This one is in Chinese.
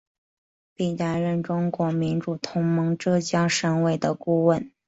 并担任中国民主同盟浙江省委的顾问。